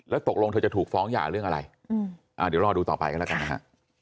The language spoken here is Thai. ตกลงเธอจะถูกฟ้องหย่าเรื่องอะไรเดี๋ยวรอดูต่อไปกันแล้วกันนะฮะ